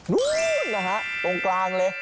นู้นนะฮะตรงกลางเลย